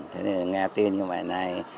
thế nên nghe tin như vậy này